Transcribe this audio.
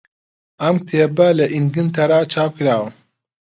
ئەم کتێبە لە ئینگلتەرا چاپکراوە.